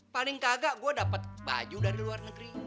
paling kagak gua dapet baju dari luar negeri